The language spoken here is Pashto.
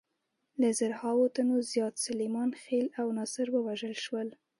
له زرهاوو تنو زیات سلیمان خېل او ناصر ووژل شول.